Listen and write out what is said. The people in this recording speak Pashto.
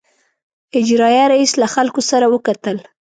اجرائیه رییس له خلکو سره وکتل.